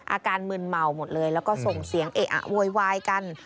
อาการมึนเมาหมดเลยแล้วก็ส่งเสียงเอะอะโวยวายกัน